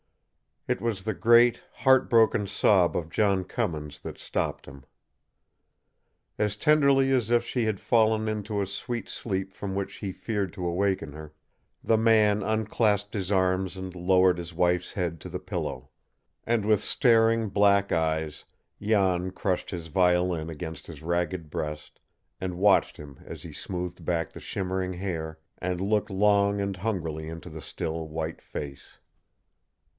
It was the great, heart broken sob of John Cummins that stopped him. As tenderly as if she had fallen into a sweet sleep from which he feared to awaken her, the man unclasped his arms and lowered his wife's head to the pillow; and with staring black eyes Jan crushed his violin against his ragged breast and watched him as he smoothed back the shimmering hair and looked long and hungrily into the still, white face.